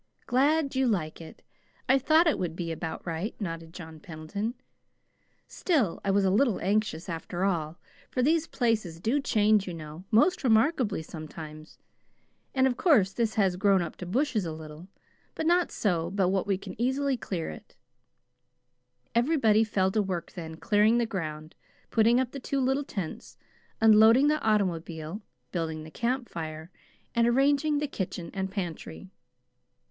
"Glad you like it! I thought it would be about right," nodded John Pendleton. "Still, I was a little anxious, after all, for these places do change, you know, most remarkably sometimes. And of course this has grown up to bushes a little but not so but what we can easily clear it." Everybody fell to work then, clearing the ground, putting up the two little tents, unloading the automobile, building the camp fire, and arranging the "kitchen and pantry."